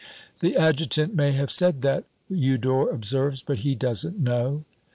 "The adjutant may have said that," Eudore observes, "but he doesn't know."